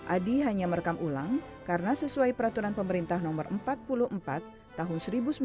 adi hanya merekam ulang karena sesuai peraturan pemerintah no empat puluh empat tahun seribu sembilan ratus sembilan puluh